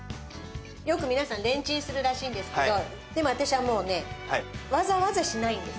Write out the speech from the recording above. よく皆さんレンチンするらしいんですけどでも私はもうねわざわざしないんです。